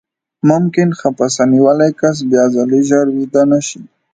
ممکن خپسه نیولی کس بیاځلې ژر ویده نه شي.